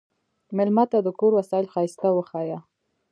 مېلمه ته د کور وسایل ښايسته وښیه.